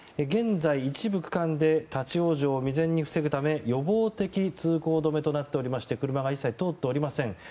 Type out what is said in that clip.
現在、一部区間で立ち往生を未然に防ぐため予防的通行止めとなっていまして車が一切通っていません。